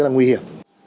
rất là nguy hiểm